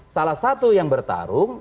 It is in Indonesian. salah satu yang bertarung